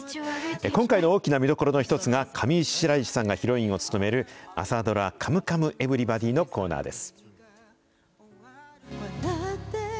今回の大きな見どころの一つが、上白石さんがヒロインを務める朝ドラ、カムカムエヴリバディのコーナーです。